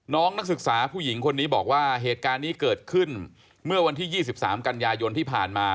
นักศึกษาผู้หญิงคนนี้บอกว่าเหตุการณ์นี้เกิดขึ้นเมื่อวันที่๒๓กันยายนที่ผ่านมา